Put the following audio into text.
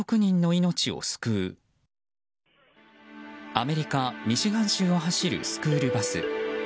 アメリカ・ミシガン州を走るスクールバス。